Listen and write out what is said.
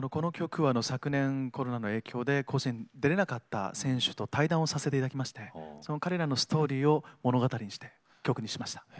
昨年、コロナの影響で甲子園に出れなかった選手と対談をさせていただきましてその彼らのストーリーを物語にして曲にしました。